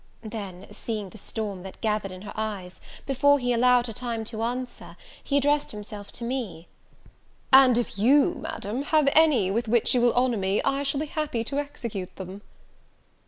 Then, seeing the storm that gathered in her eyes, before he allowed her time to answer, he addressed himself to me; "And if you, Madam, have any with which you will honour me, I shall be happy to execute them."